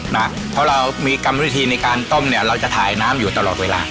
เพราะเรามีกรรมวิธีในการต้มเนี่ยเราจะถ่ายน้ำอยู่ตลอดเวลา